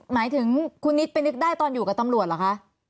หมายถึงคุณนิดไปนึกได้ตอนอยู่กับตำรวจเหรอคะ